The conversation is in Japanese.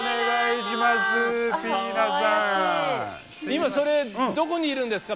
今それどこにいるんですか？